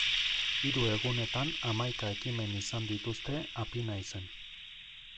Hiru egunetan hamaika ekimen izan dituzte Apinaizen.